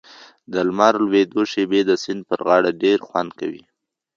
د لمر لوېدو شېبې د سیند پر غاړه ډېر خوند کوي.